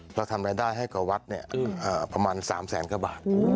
เราทำรายได้ให้กับวัดประมาณ๓แสนกว่าบาท